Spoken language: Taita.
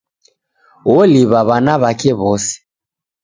Woliw'a w'ana w'ake w'ose.